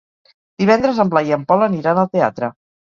Divendres en Blai i en Pol aniran al teatre.